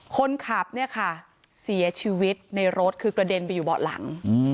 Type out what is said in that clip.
คนขับเนี่ยค่ะเสียชีวิตในรถคือกระเด็นไปอยู่เบาะหลัง